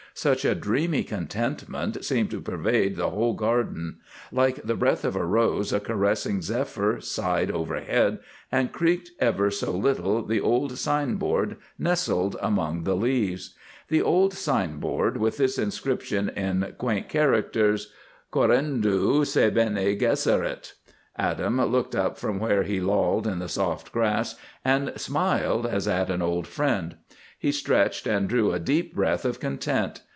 Such a dreamy contentment seemed to pervade the whole Garden. Like the breath of a rose a caressing zephyr sighed overhead and creaked ever so little the old signboard nestled among the leaves. The old signboard with this inscription in quaint characters, "Quamdiu se bene gesserit." Adam looked up from where he lolled in the soft grass and smiled as at an old friend. He stretched and drew a deep breath of content.